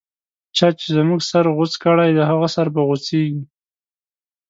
چا چی زموږه سر غوڅ کړی، د هغه سر به غو څیږی